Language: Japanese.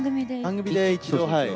番組で一度、はい。